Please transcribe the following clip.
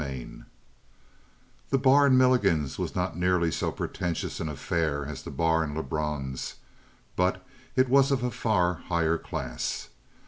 17 The bar in Milligan's was not nearly so pretentious an affair as the bar in Lebrun's, but it was of a far higher class.